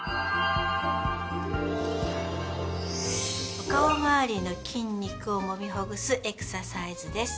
お顔回りの筋肉をもみほぐすエクササイズです。